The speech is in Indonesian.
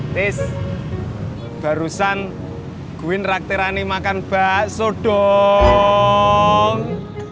tis barusan gue ngerak terani makan bakso dong